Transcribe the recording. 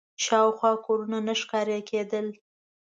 شاوخوا کورونه نه ښکاره کېدل.